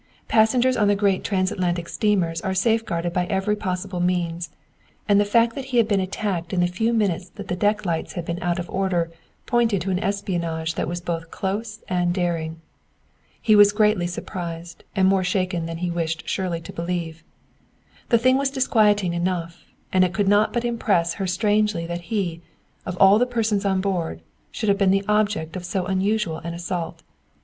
Passengers on the great transatlantic steamers are safeguarded by every possible means; and the fact that he had been attacked in the few minutes that the deck lights had been out of order pointed to an espionage that was both close and daring. He was greatly surprised and more shaken than he wished Shirley to believe. The thing was disquieting enough, and it could not but impress her strangely that he, of all the persons on board, should have been the object of so unusual an assault.